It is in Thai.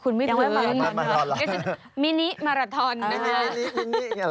คุณไม่เคยวิ่งมาราทรอนเหรอครับมินิมาราทรอนนะครับมินิอย่างนี้เหรอ